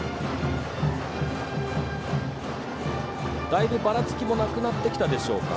だいぶ、ばらつきもなくなってきたでしょうか。